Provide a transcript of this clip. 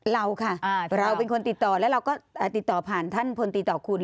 เราค่ะเราเป็นคนติดต่อแล้วเราก็ติดต่อผ่านท่านพลตีต่อคุณ